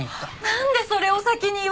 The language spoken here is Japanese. なんでそれを先に言わない！？